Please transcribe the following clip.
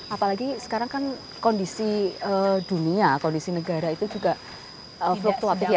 apalagi sekarang kan kondisi dunia kondisi negara itu juga fluktuatif ya